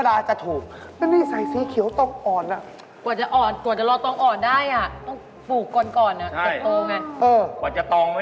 กว่าจะตองไม่ได้ง่ายมันต้องหลายชาระใช่ตั้ง๕ตอง